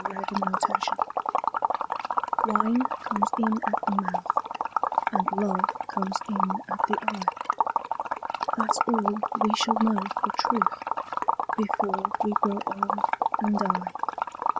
A DRINKING SONG Wine comes in at the mouth And love comes in at the eye; That's all we shall know for truth Before we grow old and die.